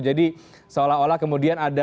jadi seolah olah kemudian ada